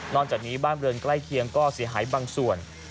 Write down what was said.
นอนจากนี้บ้านเบลืองใกล้เคียงก็เสียหายบางส่วน